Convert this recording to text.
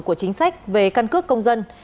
của chính sách về căn cước công dân